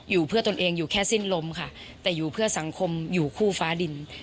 อยู่เพื่อตนเองอยู่แค่สิ้นลมค่ะแต่อยู่เพื่อสังคมอยู่คู่ฟ้าดิน